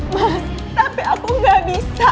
mas tapi aku gak bisa